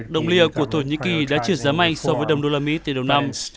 đồng lier của thổ nhĩ kỳ đã trượt giá mạnh so với đồng đô la mỹ từ đầu năm